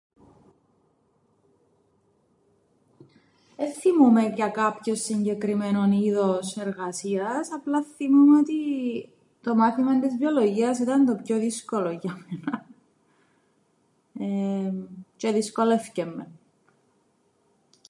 Εν θθύμουμαι για κάποιον συγκεκριμένον είδος εργασίας, απλά θθυμούμαι ότι το μάθημαν της βιολογίας ήταν το πιο δύσκολον για μέναν εεε τζ̆' εδυσκόλευκεν με.